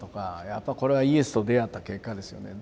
やっぱこれはイエスと出会った結果ですよね。